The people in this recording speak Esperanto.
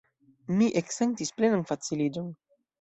Mi eksentis plenan faciliĝon.